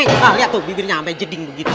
hah liat tuh bibirnya sampe jeding begitu